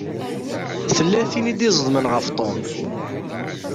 Tella tin i d-iẓeḍmen ɣef Tom.